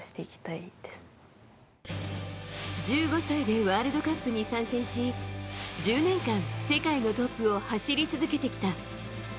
１５歳でワールドカップに参戦し１０年間世界のトップを走り続けてきた。